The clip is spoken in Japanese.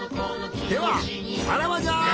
ではさらばじゃ。